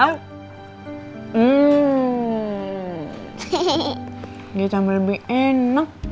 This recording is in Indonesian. ini sama lebih enak